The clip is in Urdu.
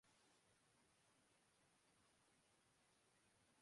جو جے آئی ٹی نے بے نقاب کی ہیں